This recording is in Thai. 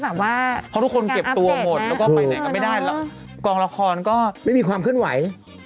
เพราะทุกคนเก็บตัวหมดแล้วก็ไปไหนก็ไม่ได้แล้วกองละครก็ไม่มีความเคลื่อนไหว